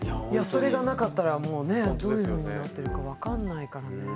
それがなかったらもうねどういうふうになってるかわかんないからね。